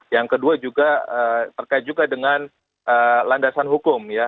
yang kedua juga terkait juga dengan landasan hukum ya